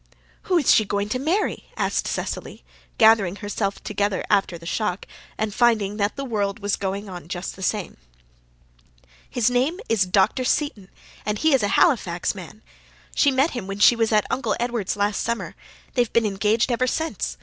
"Who's she going to marry?" asked Cecily, gathering herself together after the shock, and finding that the world was going on just the same. "His name is Dr. Seton and he is a Halifax man. She met him when she was at Uncle Edward's last summer. They've been engaged ever since.